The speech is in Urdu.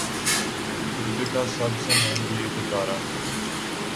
دپیکا سب سے مہنگی اداکارہ